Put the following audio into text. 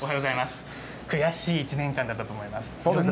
悔しい１年間だったと思いまそうですね。